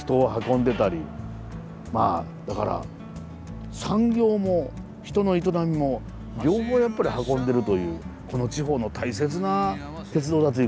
まあだから産業も人の営みも両方やっぱり運んでるというこの地方の大切な鉄道だということがよく分かりました。